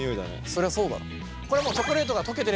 そりゃそうだろ。